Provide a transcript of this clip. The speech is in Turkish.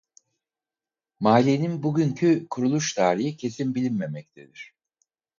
Mahallenin bugünkü kuruluş tarihi kesin bilinmemektedir.